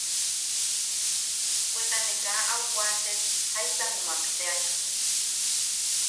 Bweta ne kaa au waate jaisa jumak teak.